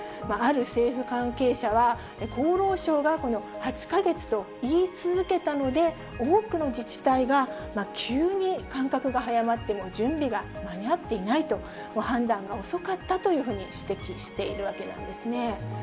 ある政府関係者は、厚労省が、８か月と言い続けたので、多くの自治体が急に間隔が早まっても、準備が間に合っていないと、判断が遅かったというふうに指摘しているわけなんですね。